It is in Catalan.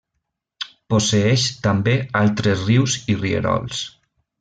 Posseeix també altres rius i rierols.